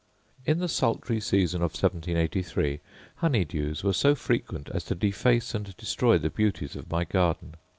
In the sultry season of 1783 honey dews were so frequent as to deface and destroy the beauties of my garden.